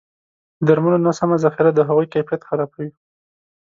د درملو نه سمه ذخیره د هغوی کیفیت خرابوي.